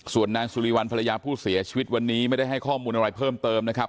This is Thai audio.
ส่วนนางสุริวัลภรรยาผู้เสียชีวิตวันนี้ไม่ได้ให้ข้อมูลอะไรเพิ่มเติมนะครับ